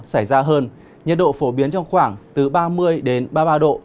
xảy ra hơn nhiệt độ phổ biến trong khoảng từ ba mươi đến ba mươi ba độ